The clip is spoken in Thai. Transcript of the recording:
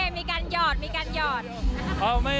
มีการหยอดมีการหยอด